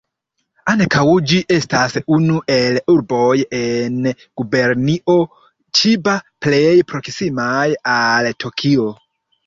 Ankaŭ ĝi estas unu el urboj en Gubernio Ĉiba plej proksimaj al Tokio.